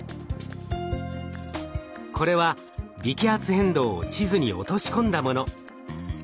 これは微気圧変動を地図に落とし込んだもの。